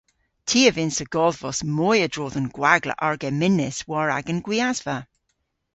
Ty a vynnsa godhvos moy a-dro dhe'n gwagla argemmynys war agan gwiasva.